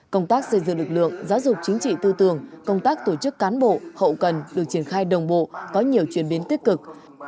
công tác xây dựng lực lượng giáo dục chính trị tư tưởng công tác tổ chức cán bộ hậu cần được triển khai đồng bộ có nhiều chuyển biến tích cực